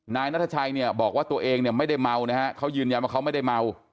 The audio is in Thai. นายนัทชัยเนี่ยบอกว่าตัวเองเนี่ยไม่ได้เมานะฮะเขายืนยันว่าเขาไม่ได้เมา